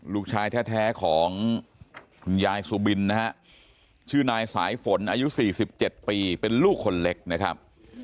ลูกชายแท้ของคุณยายสุบินนะฮะชื่อนายสายฝนอายุ๔๗ปีเป็นลูกคนเล็กนะครับ